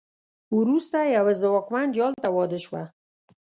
وروسته یوه ځواکمن جال ته واده شوه.